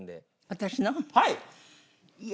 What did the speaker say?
私の？